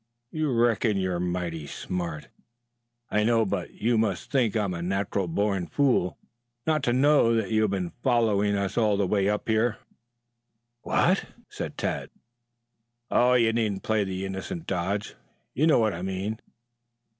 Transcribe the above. "You reckon you're mighty smart, I know, but you must think I'm a natural born fool not to know that you have been following us all the way up here." "What?" "Oh, you needn't play the innocent dodge. You know what I mean."